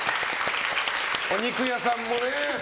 お肉屋さんもね。